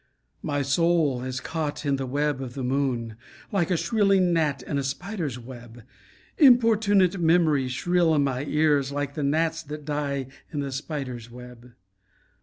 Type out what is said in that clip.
My soul is caught in the web of the moon, Like a shrilling gnat in a spider's web. Importunate memories shrill in my ears Like the gnats that die in the spider web.